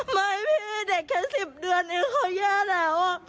ไม่พี่เด็กแค่๑๐เดือนเองเขาแย่แล้ว